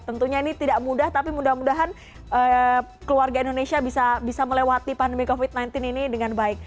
tentunya ini tidak mudah tapi mudah mudahan keluarga indonesia bisa melewati pandemi covid sembilan belas ini dengan baik